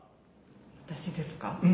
私ですか？